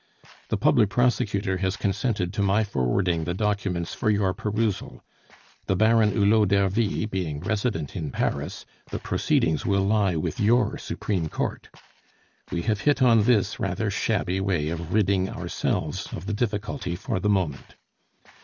"The Public Prosecutor has consented to my forwarding the documents for your perusal; the Baron Hulot d'Ervy, being resident in Paris, the proceedings will lie with your Supreme Court. We have hit on this rather shabby way of ridding ourselves of the difficulty for the moment.